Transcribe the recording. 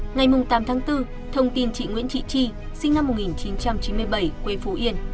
ngày tám tháng bốn thông tin chị nguyễn trị chi sinh năm một nghìn chín trăm chín mươi bảy quê phú yên